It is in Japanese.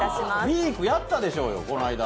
ウィークやったでしょう、この間。